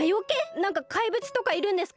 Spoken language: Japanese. なんかかいぶつとかいるんですか？